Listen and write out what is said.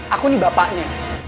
aku nih bapaknya